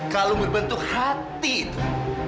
kalung berbentuk hati itu